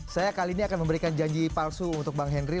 saya kali ini akan memberikan janji palsu untuk bang henry